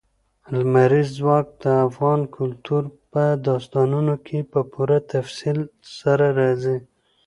لمریز ځواک د افغان کلتور په داستانونو کې په پوره تفصیل سره راځي.